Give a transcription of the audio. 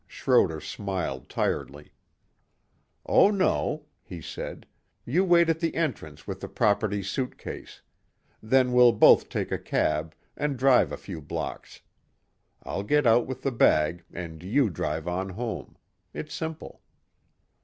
Schroder smiled tiredly. "Oh no," he said, "you wait at the entrance with the property suit case. Then we'll both take a cab and drive a few blocks. I'll get out with the bag and you drive on home. It's simple."